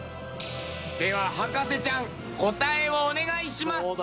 では博士ちゃん答えをお願いします。